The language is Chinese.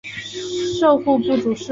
授户部主事。